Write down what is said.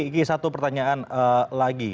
iki satu pertanyaan lagi